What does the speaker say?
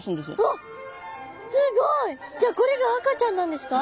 すごい！じゃあこれが赤ちゃんなんですか？